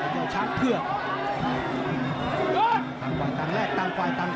โดยช้างเพื่อน